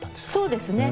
そうですね。